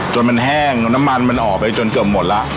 จนมันแห้งน้ำมันมันออกไปจนเกือบหมดแล้ว